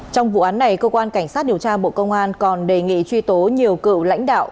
trong vụ án này cơ quan cảnh sát điều tra bộ công an còn đề nghị truy tố nhiều cựu lãnh đạo